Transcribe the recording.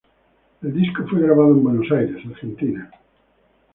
El disco fue grabado en Buenos Aires, Argentina.